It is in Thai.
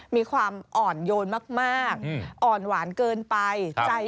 มีความอ่อนโยนมากอ่อนหวานเกินไป